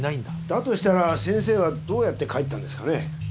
だとしたら先生はどうやって帰ったんですかね。